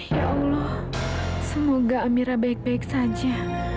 ya allah semoga amira baik baik saja